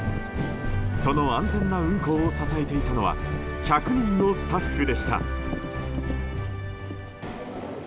その安全な運航を支えていたのは１００人のスタッフでした。